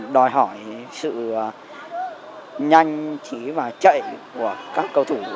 đòi hỏi sự nhanh trí và chạy của các cầu thủ